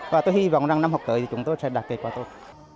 và tôi hy vọng năm học tới chúng tôi sẽ đạt kết quả tốt